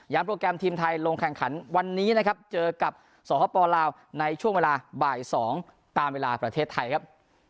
โปรแกรมทีมไทยลงแข่งขันวันนี้นะครับเจอกับสหพปลาวในช่วงเวลาบ่าย๒ตามเวลาประเทศไทยครับ